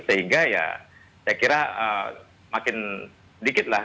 sehingga ya saya kira makin dikitlah